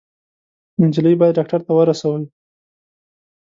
_نجلۍ بايد ډاکټر ته ورسوئ!